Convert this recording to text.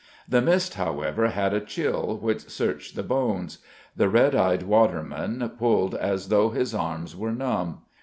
The mist, however, had a chill which searched the bones. The red eyed waterman pulled as though his arms were numb.